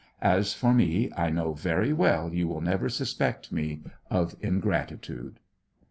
As for me, I know very well you will never suspect me of ingratitude."